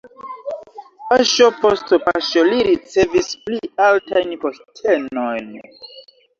Paŝo post paŝo li ricevis pli altajn postenojn.